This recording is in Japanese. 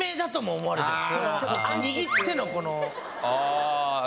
握ってのこの。